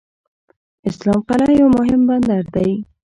اسلام قلعه یو مهم بندر دی.